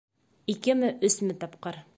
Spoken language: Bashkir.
Икеме, өсмө тапҡыр.